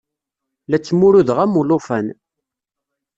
La ttmurudeɣ am ulufan.